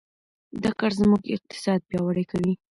دا کار زموږ اقتصاد پیاوړی کوي.